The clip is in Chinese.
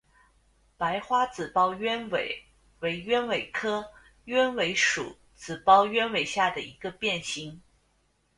白花紫苞鸢尾为鸢尾科鸢尾属紫苞鸢尾下的一个变型。